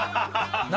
何？